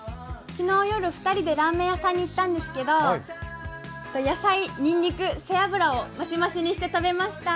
昨日夜、２人でラーメン屋さんにいったんですけど野菜、にんにく、背脂をましましにして食べました。